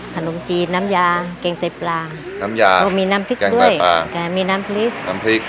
ขนมจีนน้ำยาเกงใจปลาน้ำยามีน้ำพริกด้วยแกงใดปลามีน้ำพริกน้ำพริก